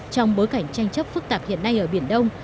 trong bối cảnh tranh chấp phức tạp hiện nay ở biển đông